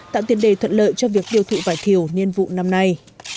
tạo tiền đề thuận lợi cho việc tiêu thụ vải thiều niên vụ năm nay